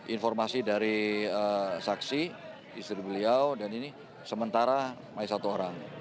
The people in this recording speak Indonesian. informasi dari saksi istri beliau dan ini sementara masih satu orang